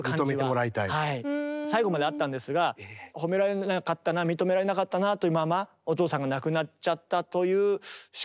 はい最後まであったんですが褒められなかったな認められなかったなというままお父さんが亡くなっちゃったというしこりというか。